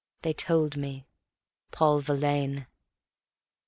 They told me: "Paul Verlaine."